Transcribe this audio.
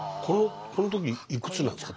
この時いくつなんですか？